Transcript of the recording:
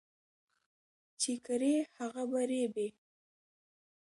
چي کرې، هغه به رېبې.